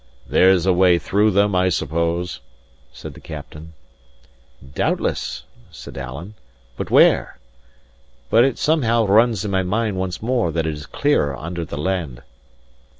"There's a way through them, I suppose?" said the captain. "Doubtless," said Alan, "but where? But it somehow runs in my mind once more that it is clearer under the land."